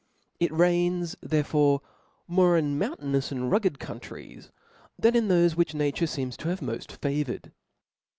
It reigns therefore more in moun tainous add rugged countries, than in thofe which nature feems to have moft favoured.